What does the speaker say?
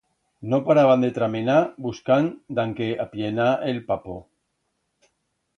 No paraban de tramenar buscand dan qué apllenar el papo.